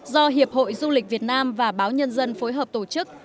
do hiệp hội du lịch việt nam và báo nhân dân phối hợp tổ chức